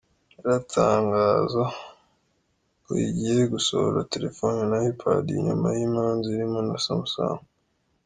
iratangazo ko igiye gusohora telefoni na iPadi nyuma y’imanza irimo na Samusanga